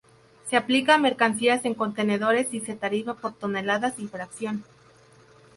Se aplica a mercancías en contenedores y se tarifa por toneladas y fracción.